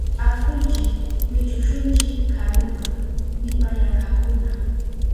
Akuychi wichushunchi karuma, nipayarkakuna.